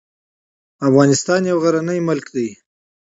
افغانستان یو غرنې هیواد ده